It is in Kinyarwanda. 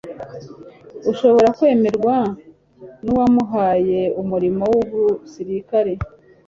ushobora kwemerwa n'uwamuhaye umurimo w'ubusirikare”